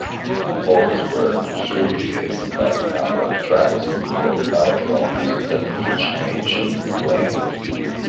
Votes were distributed by the number of tracks, or velodromes, that each nation claimed.